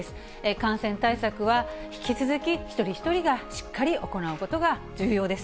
感染対策は引き続き一人一人がしっかり行うことが重要です。